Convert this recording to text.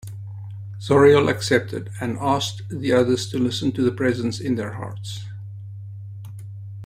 Zauriel accepted, and asked the others to listen to the Presence in their hearts.